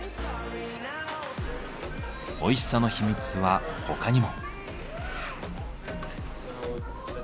おいしさの秘密は他にも。